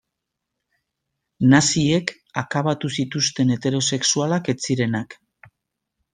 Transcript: Naziek akabatu zituzten heterosexualak ez zirenak.